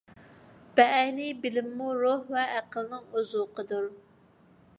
بەئەينى، بىلىممۇ روھ ۋە ئەقىلنىڭ ئوزۇقىدۇر.